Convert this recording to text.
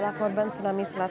biasanya punya dia saja